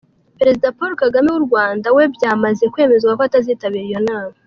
Perezida Paul Kagame w’u Rwanda, we byamaze kwemezwa ko atazitabira iyo nama.